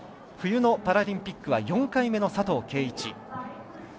冬のパラリンピックは４回目の佐藤圭一。